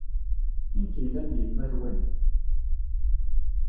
I nekk yellan d yemma-twen.